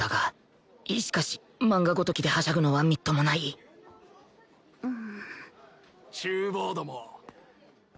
しかしマンガごときではしゃぐのはみっともない中坊ども！